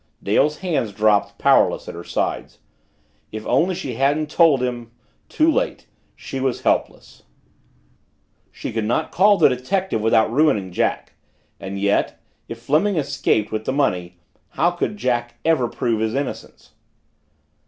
Dale's hands dropped, powerless, at her sides. If only she hadn't told him too late! she was helpless. She could not call the detective without ruining Jack and yet, if Fleming escaped with the money how could Jack ever prove his innocence?